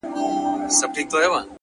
شاعره ياره ستا قربان سمه زه،